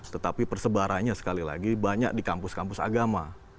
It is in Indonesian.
tetapi persebarannya sekali lagi banyak di kampus kampus agama